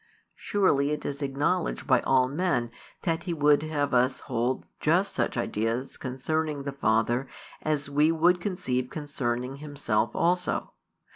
Surely it is acknowledged by all men that He would have us hold just such ideas concerning the Father as we would conceive concerning Himself also.